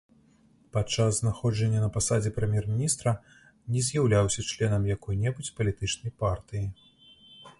Падчас знаходжання на пасадзе прэм'ер-міністра не з'яўляўся членам якой-небудзь палітычнай партыі.